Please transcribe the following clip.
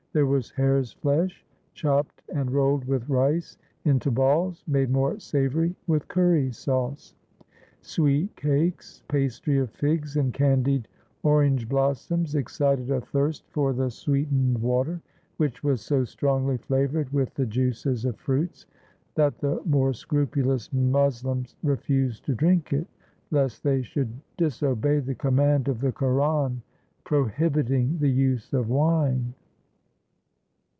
There was hare's flesh chopped and rolled with rice into balls, made more savory with curry sauce. Sweet cakes, pastry of figs and candied orange blossoms excited a thirst for the 501 TURKEY sweetened water, which was so strongly flavored with the juices of fruits that the more scrupulous Moslems re fused to drink it, lest they should disobey the command of the Koran prohibiting the use of wine.